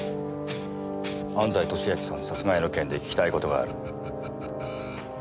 安西俊明さん殺害の件で聞きたい事がある。